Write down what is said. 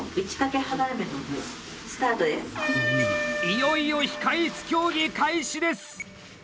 いよいよ「控え室競技」開始です！